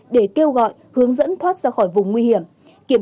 để kêu gọi hướng dẫn thoát ra khỏi vùng nguy hiểm